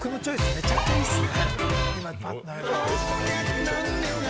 めちゃくちゃいいっすね。